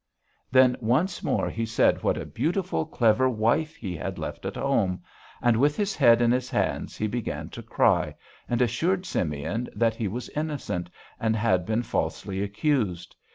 Then once more he said what a beautiful clever wife he had left at home, and with his head in his hands he began to cry and assured Simeon that he was innocent, and had been falsely accused.